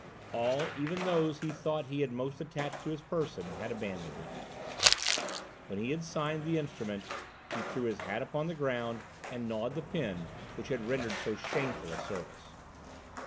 All, even those he thought he had most attached to his person, had abandoned him. When he had signed the instrument, he threw his hat upon the ground, and gnawed the pen which had rendered so shameful a service.